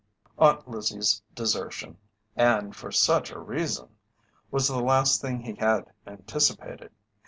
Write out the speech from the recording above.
Aunt Lizzie's desertion, and for such a reason, was the last thing he had anticipated.